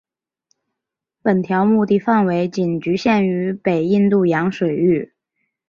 本条目的范围仅局限于北印度洋水域。